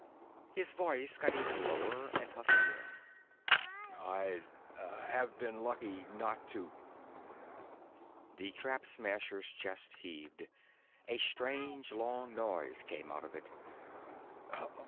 His voice got even lower and huskier. "I'd have been lucky not to." The Trap Smasher's chest heaved: a strange, long noise came out of it.